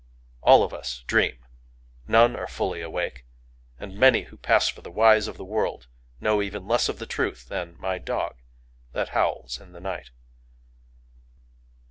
All of us dream; none are fully awake; and many, who pass for the wise of the world, know even less of the truth than my dog that howls in the night.